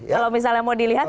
kalau misalnya mau dilihat